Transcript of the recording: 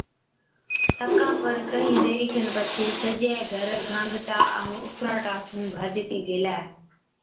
تڪا پر ڪهِين ديرِي کن پڇي سجَي گھر گانگٽان ائُون اُڦراٽان سُون ڀرجتِي گيلَي۔